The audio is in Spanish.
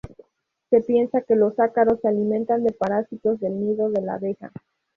Se piensa que los ácaros se alimentan de parásitos del nido de la abeja.